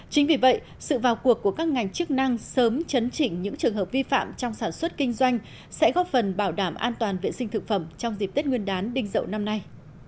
chính vì vậy sự vào cuộc của các ngành chức năng sớm chấn chỉnh những trường hợp vi phạm trong sản xuất kinh doanh sẽ góp phần bảo đảm an toàn vệ sinh thực phẩm trong dịp tết nguyên đán đinh dậu năm nay